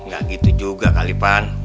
gak gitu juga kalipan